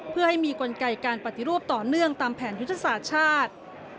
เพื่อให้มีกลไกการปฏิรูปต่อเนื่องตามแผนยุทธศาสตร์ชาติ